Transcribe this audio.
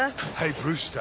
ブルースター。